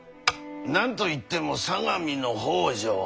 何と言っても相模の北条。